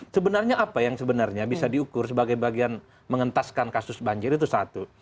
sebenarnya apa yang sebenarnya bisa diukur sebagai bagian mengentaskan kasus banjir itu satu